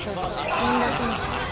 源田選手です。